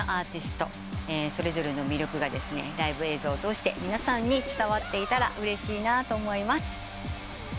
それぞれの魅力がライブ映像を通して皆さんに伝わっていたらうれしいなと思います。